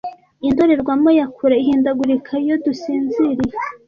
indorerwamo ya kure ihindagurika iyo dusinziriye